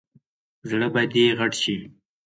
زړه به دې غټ شي !